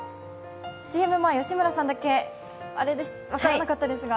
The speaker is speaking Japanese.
ＣＭ前、吉村さんだけ分からなかったですが。